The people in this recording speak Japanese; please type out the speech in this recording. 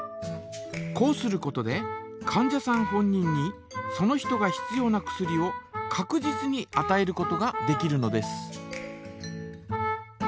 こうすることでかん者さん本人にその人が必要な薬をかく実にあたえることができるのです。